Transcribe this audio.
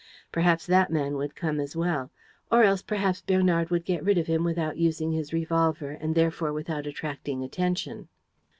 Perhaps that man would come as well. Or else perhaps Bernard would get rid of him without using his revolver and therefore without attracting attention.